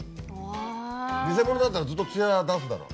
偽物だったらずっとつや出すだろ。